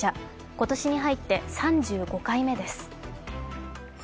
今年に入って３５回目です。